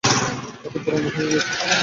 এতো পুরানো হয়ে গিয়েছে।